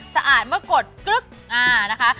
สะอาดเมื่อกดกรึ๊กนะคะ